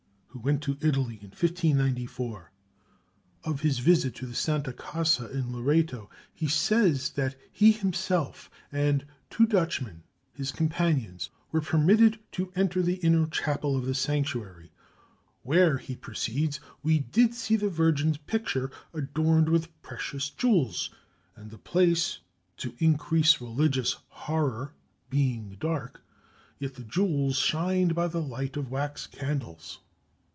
who went to Italy in 1594. Of his visit to the Santa Casa in Loreto, he says that he himself and two Dutchmen, his companions, were permitted to enter the inner chapel of the sanctuary, "where," he proceeds, "we did see the Virgin's picture, adorned with pretious Jewels, and the place (to increase religious horror) being darke, yet the Jewels shined by the light of wax candles."